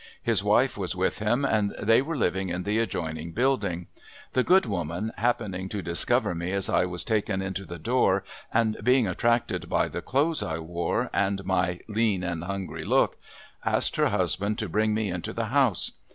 His wife was with him and they were living in the adjoining building. The good woman, happening to discover me as I was taken into the door, and being attracted by the clothes I wore, and my "lean and hungry look," asked her husband to bring me into the house.